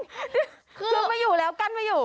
คือไม่อยู่แล้วกั้นไม่อยู่